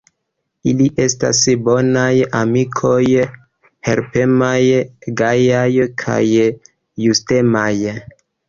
Ili estas bonaj amikoj, helpemaj, gajaj kaj justemaj.